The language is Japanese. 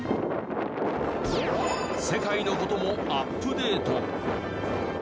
世界の事もアップデート。